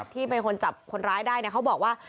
ที่เป็นคนจับคนร้ายได้เขาบอกว่า